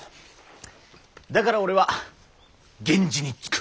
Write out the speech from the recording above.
だから俺は源氏につく。